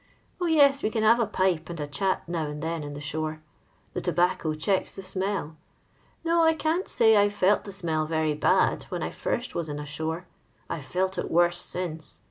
Oh, yes, we cm have a pipe and a chat now and then in the sktn. The tobacco checks the smell. No, I can't say I felt the smell very bad when I first was ia i shore. I 've felt it worse since.